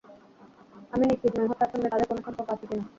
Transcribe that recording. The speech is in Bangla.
আমি নিশ্চিত নই, হত্যার সঙ্গে তাদের কোনো সম্পর্ক আছে কিনা।